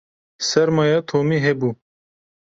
Sermaya Tomî hebû.